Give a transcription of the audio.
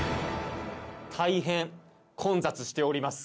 大変混雑しております。